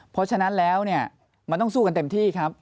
เพราะฉะนั้นแล้วเนี่ยมันต้องสู้กันเต็มที่ครับ